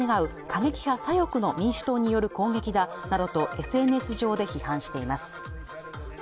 過激派左翼の民主党による攻撃だなどとＳＮＳ上で批判しています